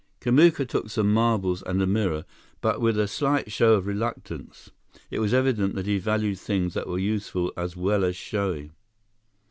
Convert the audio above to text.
Kamuka took some marbles and a mirror, but with a slight show of reluctance. It was evident that he valued things that were useful as well as showy.